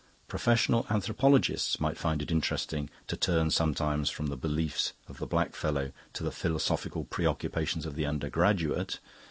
Professional anthropologists might find it interesting to turn sometimes from the beliefs of the Blackfellow to the philosophical preoccupations of the undergraduate.